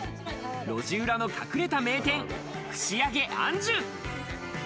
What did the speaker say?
路地裏の隠れた名店「串揚げあんじゅ」。